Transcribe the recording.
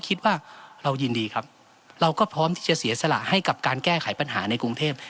คิดว่าเรายินดีครับเราก็พร้อมที่จะเสียสละให้กับการแก้ไขปัญหาในกรุงเทพ